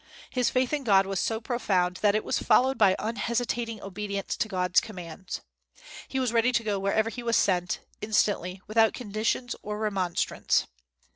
His faith in God was so profound that it was followed by unhesitating obedience to God's commands. He was ready to go wherever he was sent, instantly, without conditions or remonstrance.